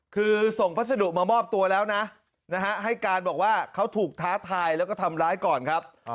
คือส่งพัสดุมามอบตัวแล้วนะให้การบอกว่าเขาถูกท้าทายแล้วก็ทำร้ายก่อนครับ